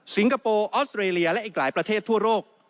คโปร์ออสเตรเลียและอีกหลายประเทศทั่วโลก